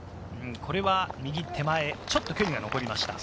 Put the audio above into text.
これは右手前、ちょっと距離が残りました。